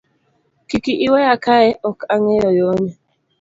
Kiki iweya kae ok angeyo yoni.